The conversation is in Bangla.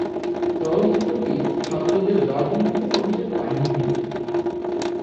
চলচ্চিত্র টি ছাত্রদের রাজনীতিতে প্রবেশের কাহিনী ভিত্তিক।